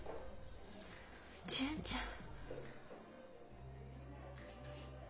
純ちゃん。